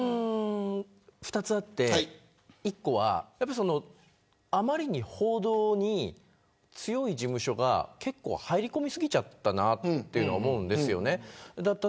２つあって、１つはあまりに報道に強い事務所が入り込み過ぎてしまったなと思うんです。